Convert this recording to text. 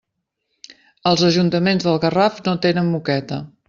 Els ajuntaments del Garraf no tenen moqueta.